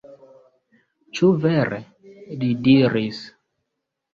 Ĉu vere? li diris.